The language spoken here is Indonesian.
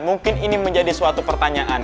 mungkin ini menjadi suatu pertanyaan